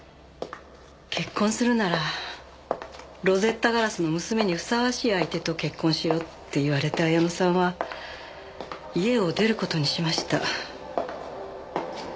結婚するならロゼッタ硝子の娘にふさわしい相手と結婚しろって言われた彩乃さんは家を出る事にしました。